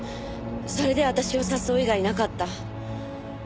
それで私を誘う以外になかった。